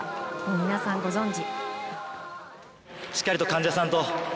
皆さんご存じ。